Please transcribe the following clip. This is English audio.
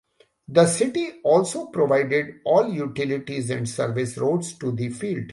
The City also provided all utilities and service roads to the field.